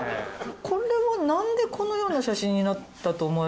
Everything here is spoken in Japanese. これはなんでこのような写真になったと思われますか？